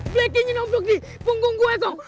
blacky nyentuh di punggung gue kong